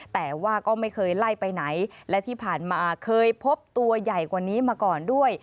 แต่ว่าก็ไม่เคยไล่ไปไหนและที่ผ่านมาเคยพบตัวใหญ่กว่านี้มาก่อนด้วย